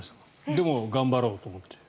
でも、頑張ろうと思って。